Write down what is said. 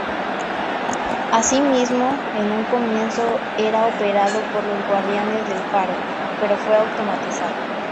Asimismo, en un comienzo era operado por los guardianes del faro, pero fue automatizado.